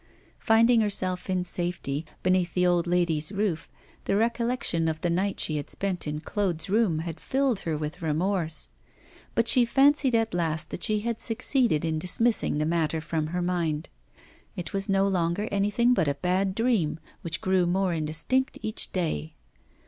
Finding herself in safety, beneath the old lady's roof, the recollection of the night she had spent in Claude's room had filled her with remorse; but she fancied at last that she had succeeded in dismissing the matter from her mind. It was no longer anything but a bad dream, which grew more indistinct each day.